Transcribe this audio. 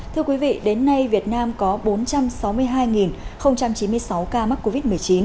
thưa quý vị đến nay việt nam có bốn trăm sáu mươi hai chín mươi sáu ca mắc covid một mươi chín